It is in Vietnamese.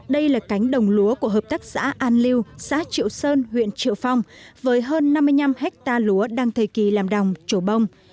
đây là cánh đồng lúa của hợp tác xã an liêu xã triệu sơn huyện triệu phong với hơn năm mươi năm hectare lúa đang thời kỳ làm đồng trổ bông